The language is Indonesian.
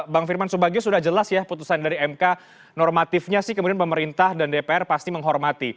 bang firman subagio sudah jelas ya putusan dari mk normatifnya sih kemudian pemerintah dan dpr pasti menghormati